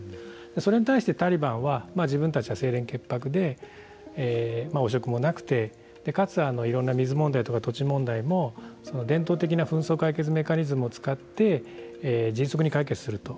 それに対してタリバンは自分たちは清廉潔白で汚職もなくてかつ、いろんな水問題とか土地問題も伝統的な紛争解決メカニズムを使って使って、迅速に解決すると。